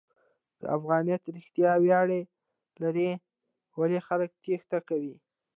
که افغانیت رښتیا ویاړ لري، ولې خلک تېښته کوي؟